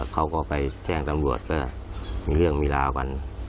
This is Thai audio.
เขาก็ไปแจ้งตำรวจว่ามีเรื่องมีราวกัน